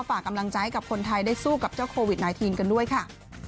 ฝากกำลังใจให้กับคนไทยได้สู้กับเจ้าโควิด๑๙กันด้วยค่ะ